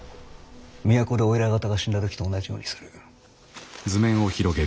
都でお偉方が死んだ時と同じようにする。